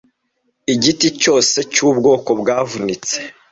Igiti cyose cyubwoko bwavunitse